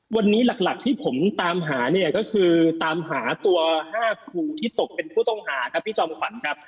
วันนี้หลักที่ผมตามหาเนี่ยก็คือตามหาตัว๕ครูที่ตกเป็นผู้ต้องหาครับพี่จอมขวัญครับ